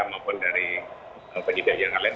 maupun dari penyidik yang lain